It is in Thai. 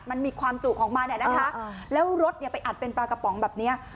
มันมีความจุของมันนะคะแล้วรถไปอัดเป็นปลากระป๋องแบบนี้